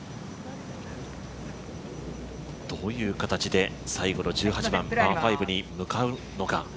どういう形で最後の１８番、パー５に向かうのか。